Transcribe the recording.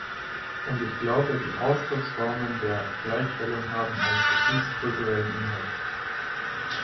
Und ich glaube, die Ausdrucksformen der Gleichstellung haben einen zutiefst kulturellen Inhalt.